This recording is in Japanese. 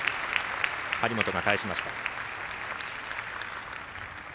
張本が返しました。